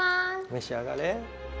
めし上がれ。